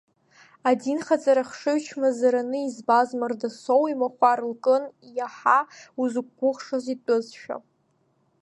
Адинхаҵара хшыҩ чмазараны избоз Мардасоу имахәар лкын, иаҳа узықәгәыӷшаз итәызшәа.